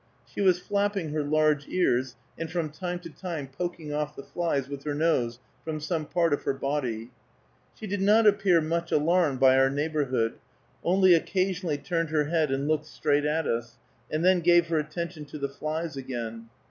She was flapping her large ears, and from time to time poking off the flies with her nose from some part of her body. She did not appear much alarmed by our neighborhood, only occasionally turned her head and looked straight at us, and then gave her attention to the flies again.